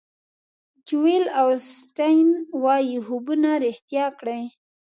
جویل اوسټین وایي خوبونه ریښتیا کړئ.